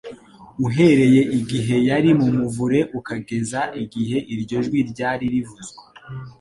uhereye igihe yari mu muvure ukageza igihe iryo jwi ryari rivuzwe,